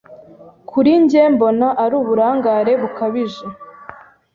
Kuri njye mbona ari uburangare bukabije.